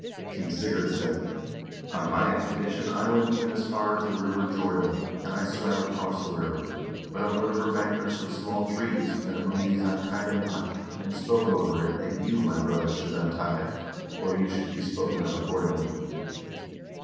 King Sigurd said :' On my expedition I went even as far as the river Jordan, and I swam across the river ; but on the river bank are some small trees, and among these I tied a knot, and spoke over it, that you, my brother, should untie it, or you should be spoken of accord ingly.'